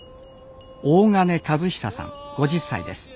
大鐘和久さん５０歳です。